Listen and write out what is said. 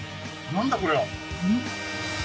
何だこれは！？